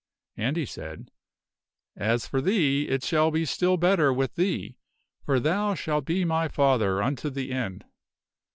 And he said, " As for thee, it shall be still better with thee, for thou shalt be my father unto the end!